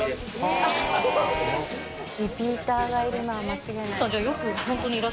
リピーターがいるのは間違いない。